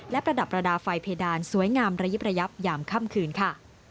และประดับประดาษไฟเพดานสวยงามระยิบระยับยามค่ำคืนค่ะ